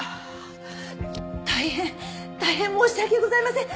大変大変申し訳ございません！